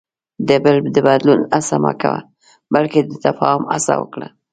د بل د بدلون هڅه مه کوه، بلکې د تفاهم هڅه وکړه.